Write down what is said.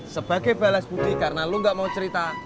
sebagai balas bukti karena lo gak mau cerita